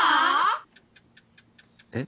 えっ？